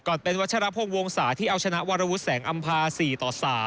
เป็นวัชรพงศ์วงศาที่เอาชนะวรวุฒิแสงอำภา๔ต่อ๓